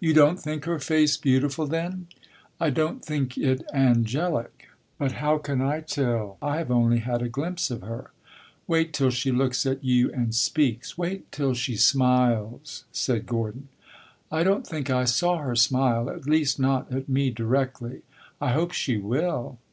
"You don't think her face beautiful, then?" "I don't think it angelic. But how can I tell? I have only had a glimpse of her." "Wait till she looks at you and speaks wait till she smiles," said Gordon. "I don't think I saw her smile at least, not at me, directly. I hope she will!"